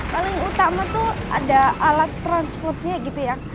paling utama tuh ada alat transplupnya gitu ya